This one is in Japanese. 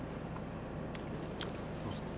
どうですか？